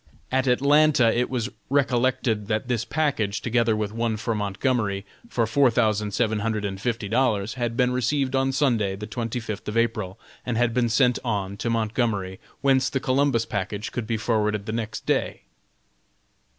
At Atlanta it was recollected that this package, together with one for Montgomery, for four thousand seven hundred and fifty dollars, had been received on Sunday, the twenty fifth of April, and had been sent on to Montgomery, whence the Columbus package could be forwarded the next day.